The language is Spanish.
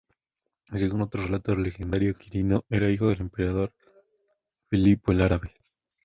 Según otro relato legendario, Quirino era hijo del emperador Filipo el Árabe.